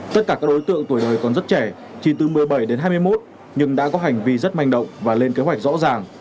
tất cả các đối tượng tuổi đời còn rất trẻ chỉ từ một mươi bảy đến hai mươi một nhưng đã có hành vi rất manh động và lên kế hoạch rõ ràng